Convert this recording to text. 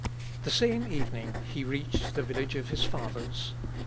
The same evening he reached the village of his fathers.